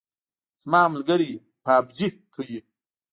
زما ملګری پابجي کوي